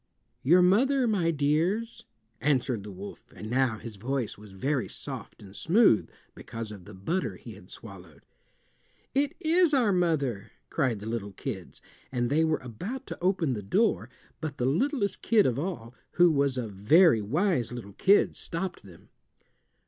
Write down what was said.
"Your mother, my dears," answered the wolf, and now his voice was very soft and smooth because of the butter he had swallowed. "It is our mother," cried the little kids, and they were about to open the door, but the littlest kid of all, who was a very wise little kid, stopped them.